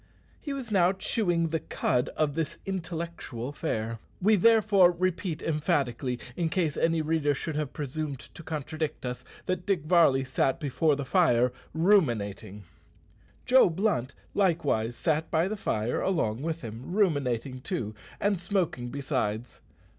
He was now chewing the cud of this intellectual fare. We therefore repeat emphatically in case any reader should have presumed to contradict us that Dick Varley sat before the fire ruminating! Joe Blunt likewise sat by the fire along with him, ruminating too, and smoking besides.